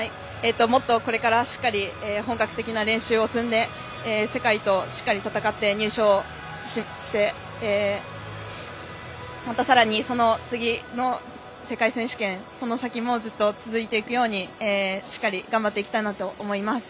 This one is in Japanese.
これからしっかり本格的な練習を積んで世界としっかり戦って入賞して、またさらにその次の世界選手権その先もずっと続いていくように頑張っていきたいなと思います。